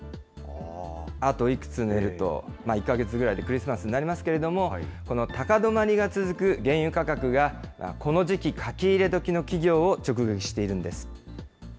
あといくつ寝ると、１か月ぐらいでクリスマスになりますけれども、この高止まりが続く原油価格が、この時期、書き入れ時の企業を直撃しているんです。